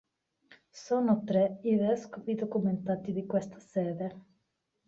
Sono tre i vescovi documentati di questa sede.